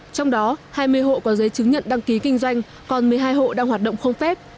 trong đó hai mươi hộ có giấy chứng nhận đăng ký kinh doanh còn một mươi hai hộ đang hoạt động không phép